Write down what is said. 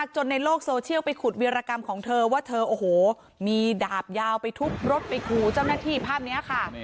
จนในโลกโซเชียลไปขุดวิรกรรมของเธอว่าเธอโอ้โหมีดาบยาวไปทุบรถไปขู่เจ้าหน้าที่ภาพนี้ค่ะ